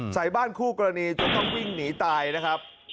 ใส่บ้านคู่กรณีจนต้องวิ่งหนีตายนะครับ